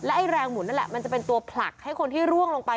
ไอ้แรงหมุนนั่นแหละมันจะเป็นตัวผลักให้คนที่ร่วงลงไป